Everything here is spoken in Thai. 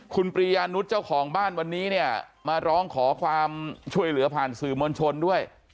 คุณปริยานุษย์เจ้าของบ้านวันนี้เนี่ยมาร้องขอความช่วยเหลือผ่านสื่อมวลชนด้วย